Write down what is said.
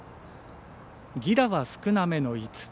犠打は少なめの５つ。